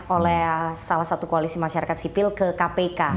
oleh salah satu koalisi masyarakat sipil ke kpk